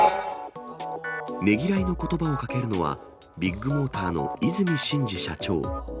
ねぎらいのことばをかけるのは、ビッグモーターの和泉伸二社長。